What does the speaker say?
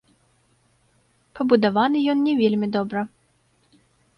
Пабудаваны ён не вельмі добра.